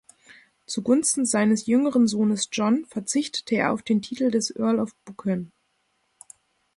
Zugunsten seines jüngeren Sohnes John verzichtete er auf den Titel des Earl of Buchan.